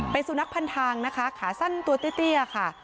เป็นสุนัขพันทางนะคะขาสั้นตัวเตี้ยค่ะ